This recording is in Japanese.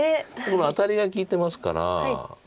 アタリが利いてますから。